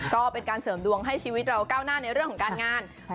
ก็เป็นการเสริมดวงให้ชีวิตเราก้าวหน้าในเรื่องของการงาน